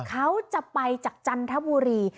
เขาจะไปจากจันทบุรี